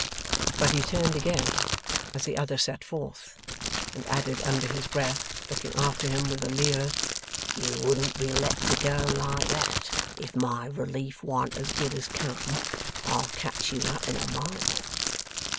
But he turned again as the other set forth, and added under his breath, looking after him with a leer: 'You wouldn't be let to go like that, if my Relief warn't as good as come. I'll catch you up in a mile.